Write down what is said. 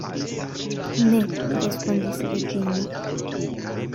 Ne, respondis Reĝino.